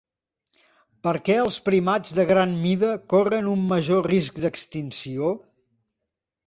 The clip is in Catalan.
Per què els primats de gran mida corren un major risc d'extinció?